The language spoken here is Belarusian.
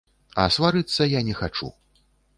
А сварыцца я не хачу.